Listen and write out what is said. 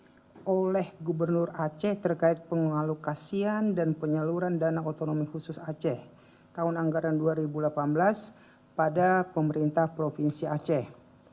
yang diberikan oleh gubernur aceh terkait pengalokasian dan penyaluran dana otonomi khusus aceh tahun anggaran dua ribu delapan belas pada pemerintah provinsi aceh